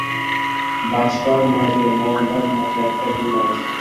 বাঁচবার নয়তো মরবার মতো একটা দিন আজ।